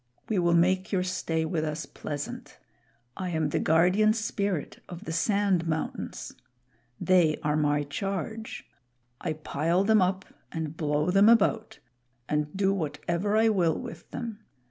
We will make your stay with us pleasant. I am the Guardian Spirit of the Sand Mountains. They are my charge. I pile them up and blow them about and do whatever I will with them.